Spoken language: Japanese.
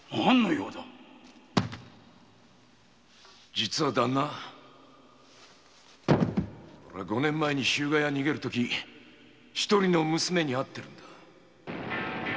実はダンナおれは五年前日向屋を逃げるとき一人の娘に会ってるんだ